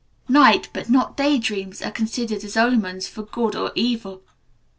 Night, but not day dreams, are considered as omens for good or evil.